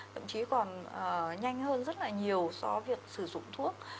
thậm chí còn nhanh hơn rất là nhiều so với việc sử dụng thuốc